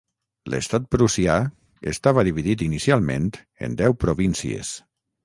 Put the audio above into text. L'estat prussià estava dividit inicialment en deu províncies.